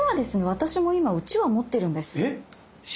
私も今うちわ持ってるんです。